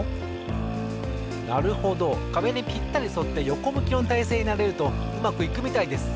なるほどかべにぴったりそってよこむきのたいせいになれるとうまくいくみたいです。